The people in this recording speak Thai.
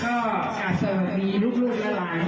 บอกว่าค่ะก็จะติดลูกมาร้าย